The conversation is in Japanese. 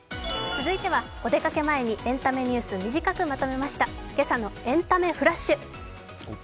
続いてはお出かけ前にエンタメニュース、短くまとめました「けさのエンタメフラッシュ」。